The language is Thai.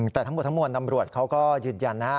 แต่ทั้งหมดตำรวจเขาก็ยืดยัน